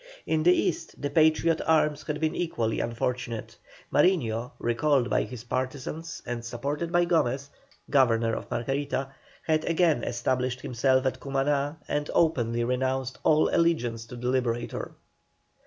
In the East the Patriot arms had been equally unfortunate. Mariño, recalled by his partisans and supported by Gomez, Governor of Margarita, had again established himself at Cumaná and openly renounced all allegiance to the Liberator.